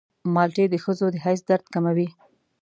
مالټې د ښځو د حیض درد کموي.